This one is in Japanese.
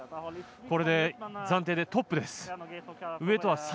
これで暫定でトップです。